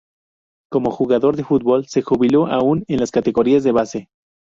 Como jugador de fútbol, se jubiló aún en las categorías de base.